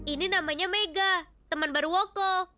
ini namanya mega teman baru woko